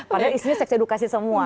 padahal istrinya seks edukasi semua